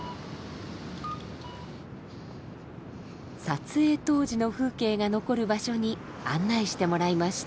撮影当時の風景が残る場所に案内してもらいました。